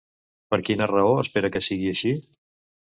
Per quina raó espera que sigui així?